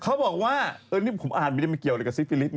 เขาบอกว่านี่ผมอ่านไม่ได้มันเกี่ยวอะไรกับซิฟิลิส